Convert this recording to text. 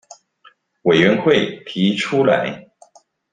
委員會提出來